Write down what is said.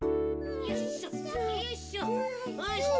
よいしょよいしょ。